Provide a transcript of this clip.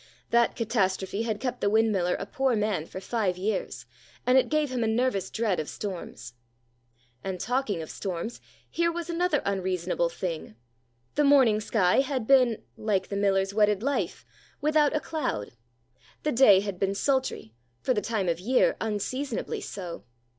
That catastrophe had kept the windmiller a poor man for five years, and it gave him a nervous dread of storms. And talking of storms, here was another unreasonable thing. The morning sky had been (like the miller's wedded life) without a cloud. The day had been sultry, for the time of year unseasonably so.